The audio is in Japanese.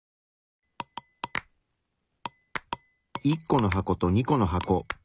１個の箱と２個の箱。